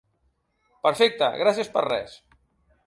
Perfecte, gràcies per res!